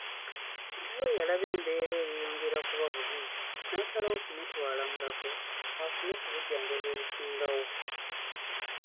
Kitaawe yalaba embeera yeeyongera kuba bubi n’asalawo kumutwala Mulago afune ku bujjanjabi obusingawo.